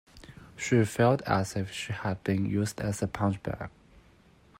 She felt as if she had been used as a punchbag